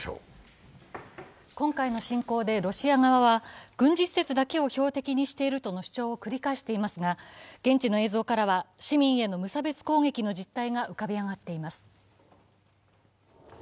今回の侵攻でロシア側は軍事施設だけを標的にしているとの主張を繰り返していますが、現地の映像からは市民への無差別攻撃の実態が浮かび上がっています。